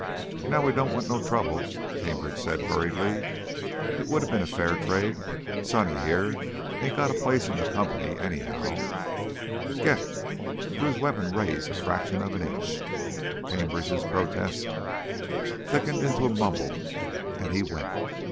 "Now, we don't want no trouble," Cambridge said hurriedly. "It woulda bin a fair trade.... Sonny, heah, ain't got place in the company anyhow " "Get!" Drew's weapon raised a fraction of an inch. Cambridge's protest thickened into a mumble and he went.